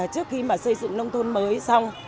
trước khi xây dựng nông thôn mới xong